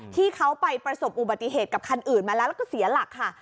ที่เขาไปประสบอุบัติเหตุกับคันอื่นมาแล้วแล้วก็เสียหลักค่ะ